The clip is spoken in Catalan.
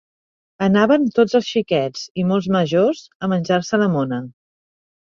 Anaven tots els xiquets i molts majors a menjar-se la mona.